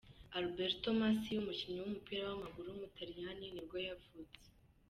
Alberto Massi, umukinnyi w’umupira w’amaguru w’umutaliyani nibwo yavutse.